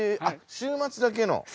あっ週末だけの？